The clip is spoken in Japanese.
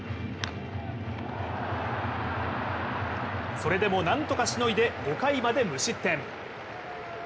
それでもなんとかしのいで５回まで無失点。